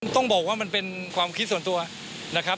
ต้องบอกว่ามันเป็นความคิดส่วนตัวนะครับ